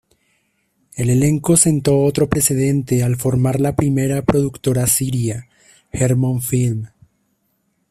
El elenco sentó otro precedente al formar la primera productora siria: Hermon Film.